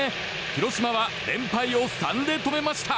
広島は連敗を３で止めました。